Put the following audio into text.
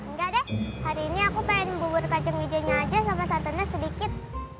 enggak deh hari ini aku pengen bubur kacang hijaunya aja sama santannya sedikit